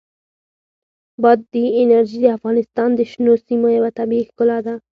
بادي انرژي د افغانستان د شنو سیمو یوه طبیعي ښکلا ده.